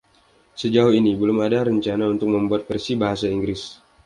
Sejauh ini belum ada rencana untuk membuat versi bahasa Inggris.